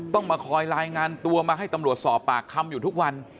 ต้องมาคอยรายงานตัวมาให้ตำรวจสอบปากคำอยู่ทุกวัน